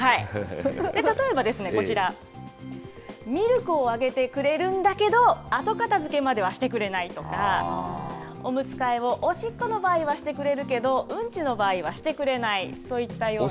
例えばこちら、ミルクをあげてくれるんだけど、後片づけまではしてくれないとか、おむつ替えをおしっこの場合はしてくれるけど、うんちの場合はしてくれないといったような。